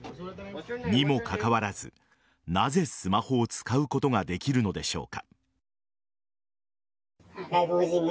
にもかかわらずなぜスマホを使うことができるのでしょうか。